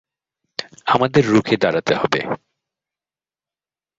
আমাদের রুখে দাঁড়াতে হবে!